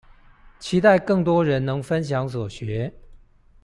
期待更多人能分享所學